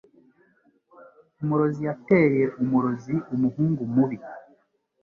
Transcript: Umurozi yateye umurozi umuhungu mubi.